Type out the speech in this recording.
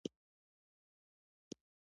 خو زه په يوه لنډۍ غاړه باسم.